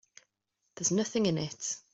There's nothing in it.